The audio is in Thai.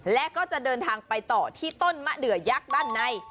และก็จะเดินทางไปต่อที่ต้นมะเดือยักษ์ด้านใน